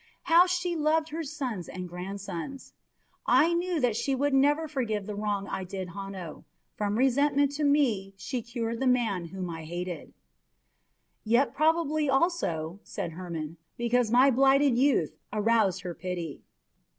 How she loved her sons and grandsons! I knew that she would never forgive the wrong I did Hanno. From resentment to me she cured the man whom I hated." "Yet probably also," said Hermon, "because my blighted youth aroused her pity."